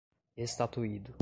estatuído